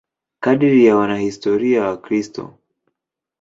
Kadiri ya wanahistoria Wakristo.